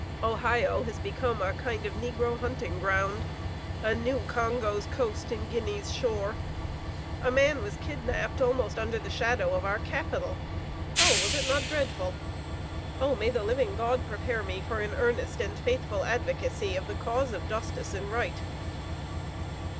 Ohio has become a kind of a negro hunting ground, a new Congo's coast and Guinea's shore. A man was kidnapped almost under the shadow of our capital. Oh, was it not dreadful?... Oh, may the living God prepare me for an earnest and faithful advocacy of the cause of justice and right!"